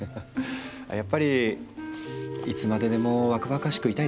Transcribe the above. やっぱりいつまででも若々しくいたいですか？